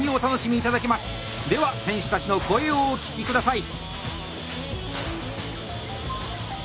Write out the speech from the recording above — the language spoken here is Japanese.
では選手たちの声をお聞き下さい。